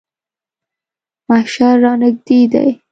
محشر رانږدې دی.